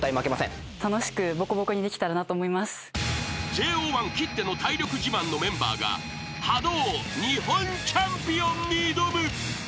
［ＪＯ１きっての体力自慢のメンバーがＨＡＤＯ日本チャンピオンに挑む］